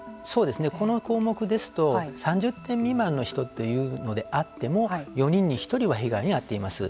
この項目ですと３０点未満の人というのであっても４人に１人は被害に遭っています。